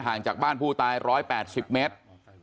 จากบ้านผู้ตาย๑๘๐เมตร